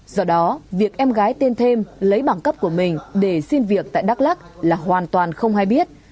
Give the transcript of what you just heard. do đó việc em gái tên thêm lấy bằng cấp của mình để xin việc tại đắk lắc là hoàn toàn không hay biết